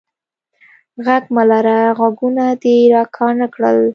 ږغ مه لره، غوږونه دي را کاڼه کړل.